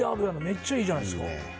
めっちゃいいじゃないですか。